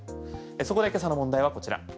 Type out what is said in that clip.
そこで今朝の問題はこちら。